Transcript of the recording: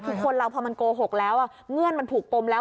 คือคนเราพอมันโกหกแล้วเงื่อนมันผูกปมแล้ว